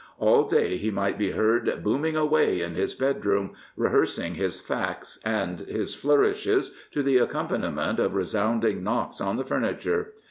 All day he might be heard booming away in his bedroom, rehearsing his facts and his flourishes to the accompaniment of resounding knocks on the furniture.